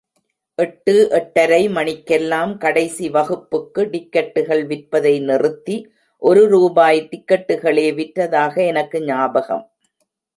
எட்டு எட்டரை மணிக்கெல்லாம் கடைசி வகுப்புக்கு டிக்கட்டுகள் விற்பதை நிறுத்தி ஒரு ரூபாய் டிக்கட்டுகளே விற்றதாக எனக்கு ஞாபகம்.